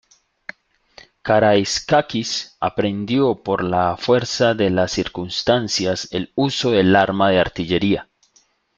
Karaiskakis aprendió por la fuerza de las circunstancias el uso del arma de artillería.